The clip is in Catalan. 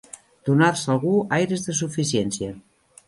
Donar-se algú aires de suficiència.